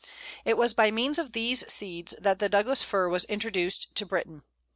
It was by means of these seeds that the Douglas Fir was introduced to Britain.